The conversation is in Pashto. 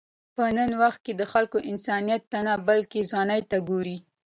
په نن وخت کې خلک انسانیت ته نه، بلکې ځوانۍ ته ګوري.